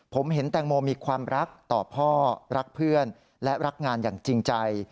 ผมเห็นแตงโมมีความรักต่อพ่อรักเพื่อนและรักงานอย่างจริงใจ